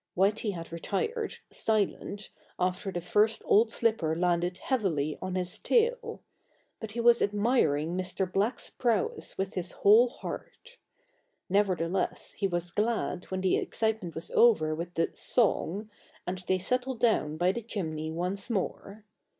Whitey had retired, silent, after the first old slipper landed heavily on his tail; but he was admiring Mr. Black's prowess with his whole heart. Nevertheless he was glad when the excitement was over with the "song," and they settled down by the chimney once more.